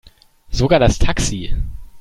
Sogar das Taxi.